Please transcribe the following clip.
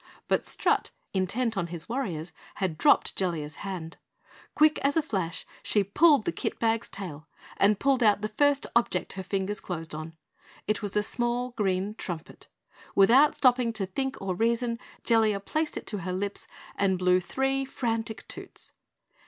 But Strut, intent on his Warriors, had dropped Jellia's hand. Quick as a flash she pulled the kit bag's tail and pulled out the first object her fingers closed on. It was a small green trumpet. Without stopping to think or reason, Jellia placed it to her lips and blew three frantic toots.